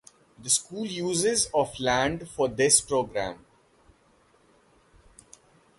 The school uses of land for this program.